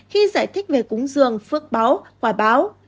khi giải thích về cúng dường phước báo quả báo